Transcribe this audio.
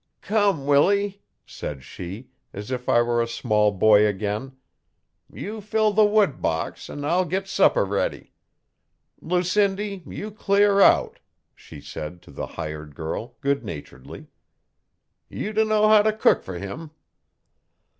'Come Willie!' said she, as if I were a small boy again, 'you fill the woodbox an' I'll git supper ready. Lucindy, you clear out,' she said to the hired girl, good naturedly. 'You dunno how t'cook for him.'